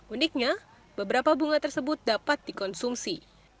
uniknya beberapa bunga tersebut dapat dikonsumsi